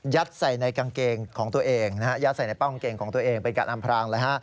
ยัดใส่ในป้องกางเกงของตัวเองเป็นการอำพรางเลย